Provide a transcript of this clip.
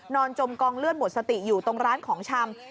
จมกองเลือดหมดสติอยู่ตรงร้านของชำ